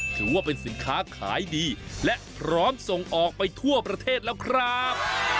ถือว่าเป็นสินค้าขายดีและพร้อมส่งออกไปทั่วประเทศแล้วครับ